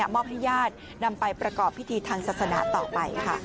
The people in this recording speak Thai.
มอบให้ญาตินำไปประกอบพิธีทางศาสนาต่อไปค่ะ